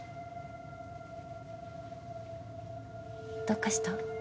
どうかした？